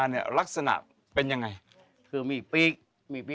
อเจมส์แล้วก็พามาเท่าไหร่ประสาทที่สุด